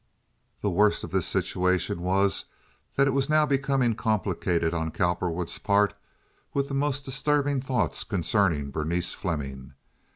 The worst of this situation was that it was now becoming complicated on Cowperwood's part with the most disturbing thoughts concerning Berenice Fleming.